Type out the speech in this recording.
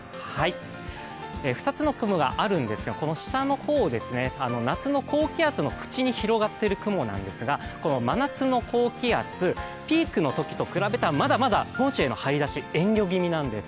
２つの雲があるんですが下の方、夏の高気圧の縁に広がっている雲なんですが、この真夏の高気圧ピークのときと比べたらまだまだ本州への張り出し遠慮気味なんです。